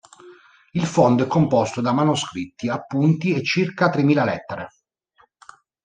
Il Fondo è composto da manoscritti, appunti e circa tremila lettere.